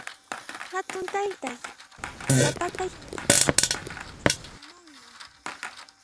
Hatun taytay papa yuranta chutayta munan.